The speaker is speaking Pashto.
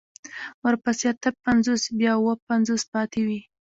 ورپسې اته پنځوس بيا اوه پنځوس پاتې وي.